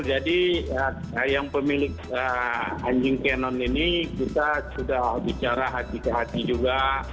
jadi yang pemilik anjing canon ini kita sudah bicara hati hati juga